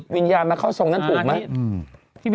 วิญญาณมาเข้าทรงนั้นถูกไหม